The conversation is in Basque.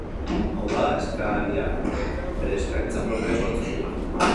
Hau da, eskariak bere eskaintza propioa sortzen du.